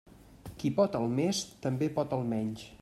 Qui pot el més, també pot el menys.